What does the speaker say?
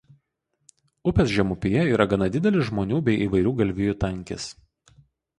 Upės žemupyje yra gana didelis žmonių bei įvairių galvijų tankis.